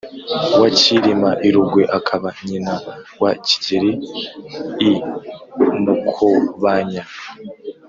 wa cyilima i rugwe akaba nyina wa kigeli i mukobanya